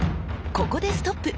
ここでストップ！